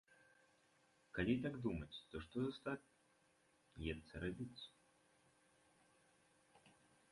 Калі так думаць, то што застаецца рабіць?